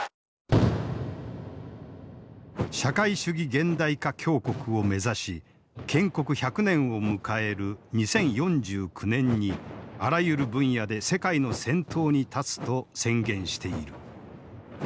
「社会主義現代化強国」を目指し建国１００年を迎える２０４９年にあらゆる分野で世界の先頭に立つと宣言している。